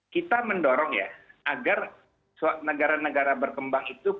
kita mendorong ya agar negara negara berkembang itu